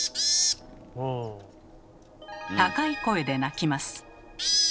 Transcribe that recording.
高い声で鳴きます。